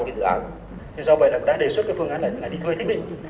do vậy là đã đề xuất cái phương án này là đi thuê thiết bị